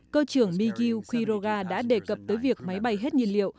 cơ trưởng miguel quiroga đã đề cập tới việc máy bay hết nhiên liệu